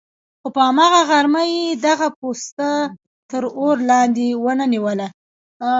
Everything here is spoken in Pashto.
خو په هماغه غرمه یې دغه پوسته تر اور لاندې ونه نیوله.